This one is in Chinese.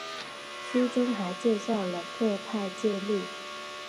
书中还介绍了各派戒律。